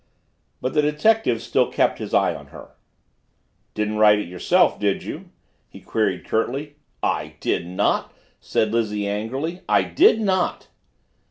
But the detective still kept his eye on her. "Didn't write it yourself, did you?" he queried curtly. "I did not!" said Lizzie angrily. "I did not!"